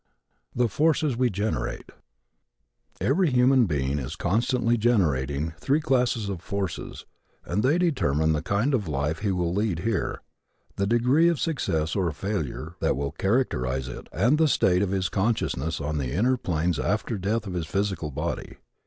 THE FORCES WE GENERATE Every human being is constantly generating three classes of forces, and they determine the kind of life he will lead here, the degree of success or failure that will characterize it, and the state of his consciousness on the inner planes after the death of his physical body.